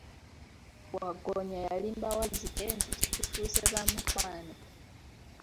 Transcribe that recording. Waggoonya yalimba Wazzike nti, tufuuse ba mukwano.